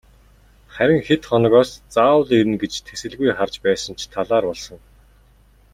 Харин хэд хоногоос заавал ирнэ гэж тэсэлгүй харж байсан ч талаар болсон.